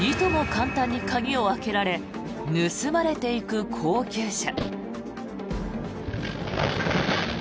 簡単に鍵を開けられ盗まれていく高級車。